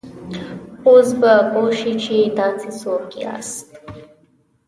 اوس به پوه شې، تاسې څوک یاست؟